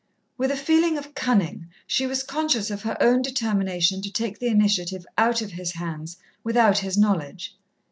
With a feeling of cunning, she was conscious of her own determination to take the initiative out of his hands, without his knowledge.